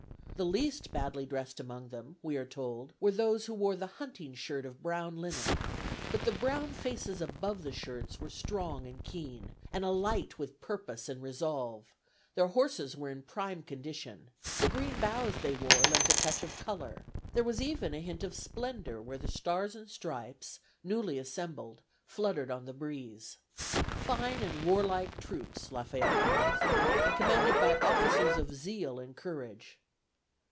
The least badly dressed among them, we are told, were those who wore the hunting shirt of brown linen. But the brown faces above the shirts were strong and keen, and alight with purpose and resolve; their horses were in prime condition: the green boughs they wore lent a touch of color; there was even a hint of splendor where the Stars and Stripes, newly assembled, fluttered on the breeze. "Fine and warlike troops," Lafayette pronounced them, "commanded by officers of zeal and courage."